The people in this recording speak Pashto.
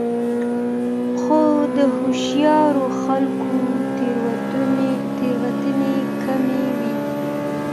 خو د هوښیارو خلکو تېروتنې کمې وي.